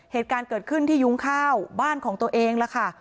เหตุการณ์เกิดขึ้นที่ยุ้งข้าวบ้านของตัวเองแล้วค่ะ